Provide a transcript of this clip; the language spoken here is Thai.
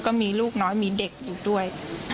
ก็มีลูกน้อยมีเด็กอยู่ด้วย